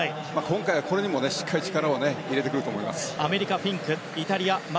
ここにはしっかりと力を入れてくると思います。